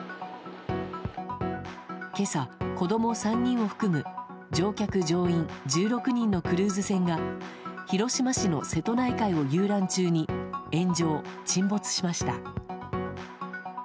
今朝、子供３人を含む乗客・乗員１６人のクルーズ船が広島市の瀬戸内海を遊覧中に炎上沈没しました。